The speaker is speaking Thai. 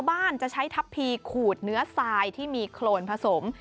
บ้านจะใช้ทัพพีขูดเนื้อทรายที่มีโครนผสม